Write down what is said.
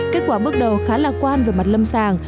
kết quả bước đầu khá lạc quan về mặt lâm sàng